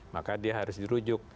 maka dia harus dirujuk